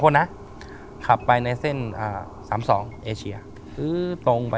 รอบข้าง